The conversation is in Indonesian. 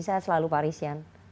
saya selalu parisian